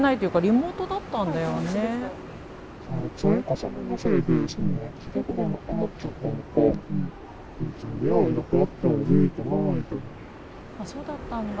そうだったんだ。